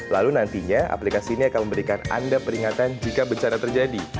lalu nantinya aplikasi ini akan memberikan anda peringatan jika bencana terjadi